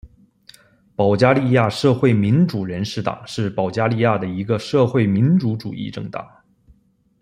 保加利亚社会民主人士党是保加利亚的一个社会民主主义政党。